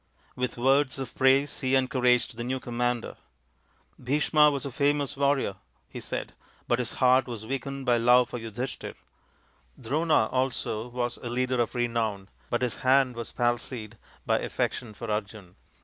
With words of praise he encouraged the new commander. " Bhisma was a famous warrior," he said, " but his heart was weakened by love for Yudhishthir. Drona also was a leader of renown, but his hand was palsied by affection for Arjun.